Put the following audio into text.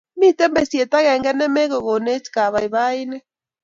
Mito besiet agenge ne mukekonech kababainik